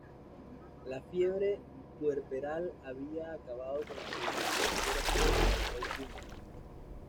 La fiebre puerperal había acabado con la segunda y tercera esposa del rey húngaro.